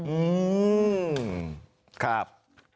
อืมครับ